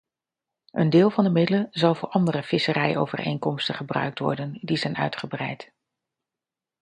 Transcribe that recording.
Een deel van de middelen zal voor andere visserijovereenkomsten gebruikt worden die zijn uitgebreid.